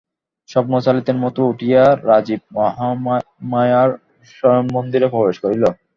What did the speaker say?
স্বপ্নচালিতের মতো উঠিয়া রাজীব মহামায়ার শয়নমন্দিরে প্রবেশ করিল।